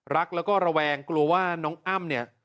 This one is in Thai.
รักแล้วก็ระแวงกลัวว่าน้องอ้ำเนี่ย